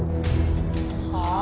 はあ？